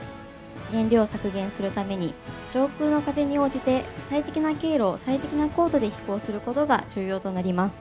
燃料削減するために、上空の風に応じて、最適な経路、最適な高度で飛行することが重要となります。